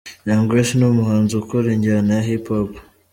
Young Grace: ni umuhanzi ukora injyana ya Hip Hop.